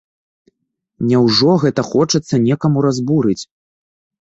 Няўжо гэта хочацца некаму разбурыць?